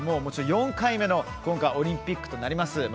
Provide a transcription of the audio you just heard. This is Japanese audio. ４回目のオリンピックとなります